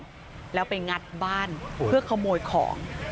ลาดเราก่อนแล้วไปงัดบ้านเพื่อขโมยของ